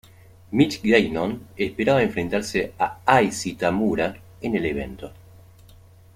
Mitch Gagnon esperaba enfrentarse a Issei Tamura en el evento.